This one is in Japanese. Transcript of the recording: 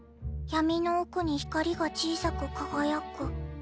闇の奥に光が小さく輝く」。